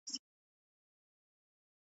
د افق کرښه د یاغي څپو تر شا ورکه شي